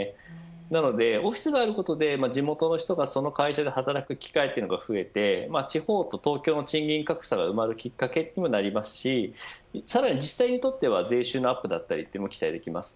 なのでオフィスがあることで地元の人がその会社で働く機会が増えて地方と東京の賃金格差が埋まるきっかけにもなりますしさらに自治体にとっては税収のアップも期待できます。